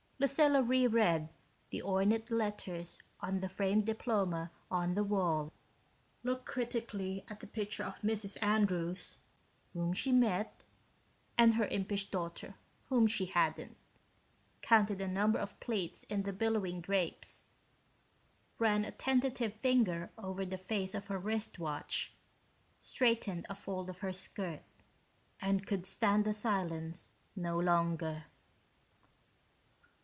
Lucilla reread the ornate letters on the framed diploma on the wall, looked critically at the picture of Mrs. Andrews whom she'd met and her impish daughter whom she hadn't counted the number of pleats in the billowing drapes, ran a tentative finger over the face of her wristwatch, straightened a fold of her skirt ... and could stand the silence no longer.